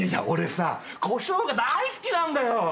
俺さこしょうが大好きなんだよ！